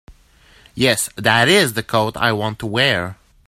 Yes, that IS the coat I want to wear.